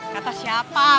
kata siapa bapak dicuekin